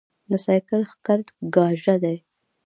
د سايکل ښکر کاژه دي